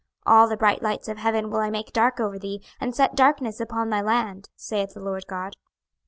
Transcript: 26:032:008 All the bright lights of heaven will I make dark over thee, and set darkness upon thy land, saith the Lord GOD.